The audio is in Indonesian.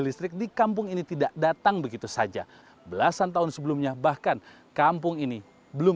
listrik di kampung ini tidak datang begitu saja belasan tahun sebelumnya bahkan kampung ini belum